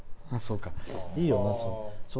そうか、いいよな。